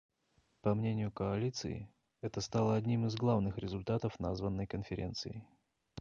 По мнению Коалиции, это стало одним из главных результатов названной Конференции.